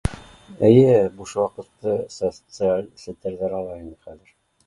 Эйе буш ваҡытты социаль селтәрҙәр ала инде хәҙер